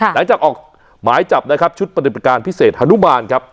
หลังจากออกหมายจับนะครับชุดปฏิบัติการพิเศษฮานุมานครับ